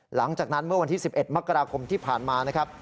หลังจากนั้นเมื่อวันที่๑๑มกราคมที่ผ่านมานะครับ